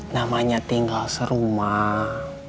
namanya tinggal serumah